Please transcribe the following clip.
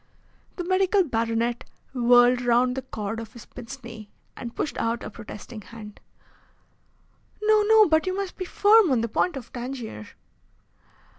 The medical baronet whirled round the cord of his pince nez and pushed out a protesting hand. "No, no, but you must be firm on the point of Tangier."